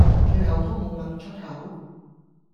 最後都無問出口